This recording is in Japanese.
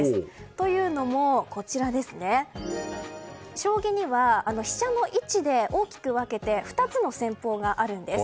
というのも将棋には飛車の位置で大きく分けて２つの戦法があるんです。